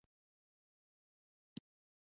آزاد تجارت مهم دی ځکه چې موزیمونه غني کوي.